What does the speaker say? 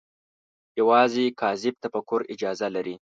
یوازې کاذب تفکر اجازه لري